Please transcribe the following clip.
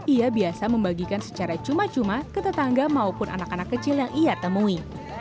ia biasa membagikan secara cuma cuma ke tetangga maupun anak anak kecil yang ia temui